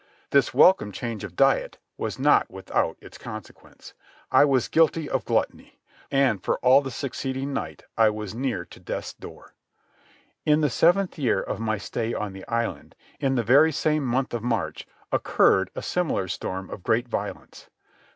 This welcome change of diet was not without its consequence. I was guilty of gluttony, and for all of the succeeding night I was near to death's door. In the seventh year of my stay on the island, in the very same month of March, occurred a similar storm of great violence.